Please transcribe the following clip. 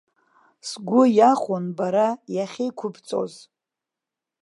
Сгәы иахәон бара иахьеиқәыбҵоз.